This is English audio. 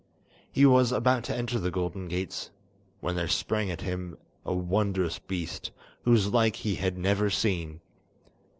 He was about to enter the golden gates, when there sprang at him a wondrous beast, whose like he had never seen.